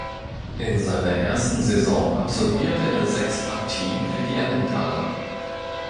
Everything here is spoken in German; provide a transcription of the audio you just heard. In seiner ersten Saison absolvierte er sechs Partien für die Emmentaler.